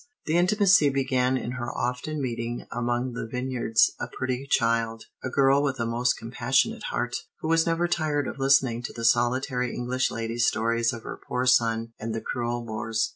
The intimacy began in her often meeting among the vineyards a pretty child, a girl with a most compassionate heart, who was never tired of listening to the solitary English lady's stories of her poor son and the cruel wars.